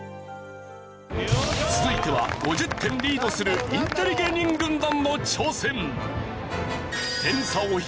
続いては５０点リードするインテリ芸人軍団の挑戦！